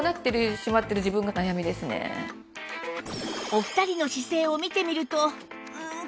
お二人の姿勢を見てみるとん